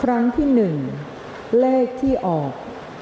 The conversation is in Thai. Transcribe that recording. ออกรางวัลที่๓ครั้งที่๒เลขที่ออก